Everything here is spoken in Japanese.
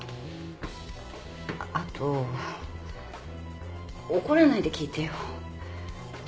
あと怒らないで聞いてよ。